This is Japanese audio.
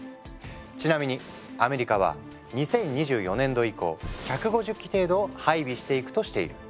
ちなみにアメリカは２０２４年度以降１５０基程度を配備していくとしている。